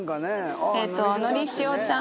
のりしおちゃん